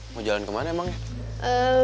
mau jalan kemana emangnya